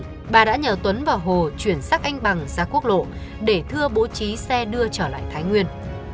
trước đó bà đã nhờ tuấn và hồ chuyển xác anh bằng ra quốc lộ để thưa bố trí xe đưa trở lại thái nguyên